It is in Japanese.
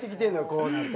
こうなると。